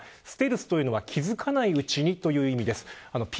ステルスというのは気付かないうちにという意味です。